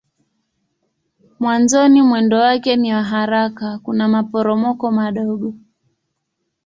Mwanzoni mwendo wake ni wa haraka kuna maporomoko madogo.